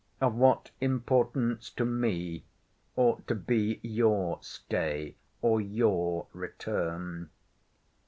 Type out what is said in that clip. Of what importance to me ought to be your stay or your return.